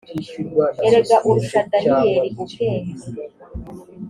erega urusha daniyeli ubwenge